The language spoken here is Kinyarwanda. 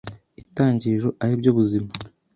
Itangiriro aribyo ubuzima